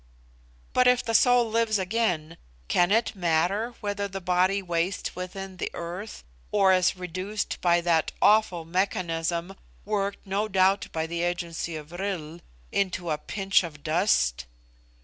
"But if the soul lives again, can it matter whether the body waste within the earth or is reduced by that awful mechanism, worked, no doubt by the agency of vril, into a pinch of dust?"